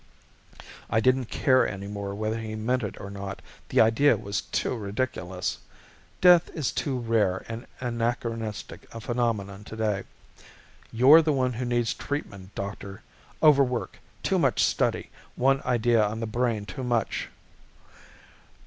I didn't care any more whether he meant it or not; the idea was too ridiculous. Death is too rare and anachronistic a phenomenon today. "You're the one who needs treatment, Doctor. Overwork, too much study, one idea on the brain too much."